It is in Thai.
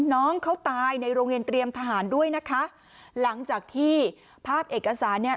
น้องเขาตายในโรงเรียนเตรียมทหารด้วยนะคะหลังจากที่ภาพเอกสารเนี่ย